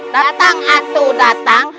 datang atu datang